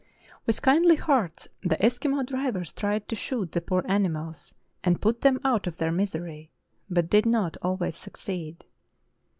With kindly hearts the Eskimo drivers tried to shoot the poor animals, and put them out of their misery, but did not always succeed.